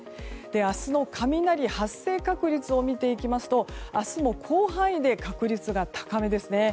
明日の雷発生確率を見ていきますと明日も広範囲で確率が高めですね。